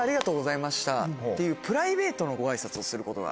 っていうプライベートのご挨拶をすることがあるんですよ。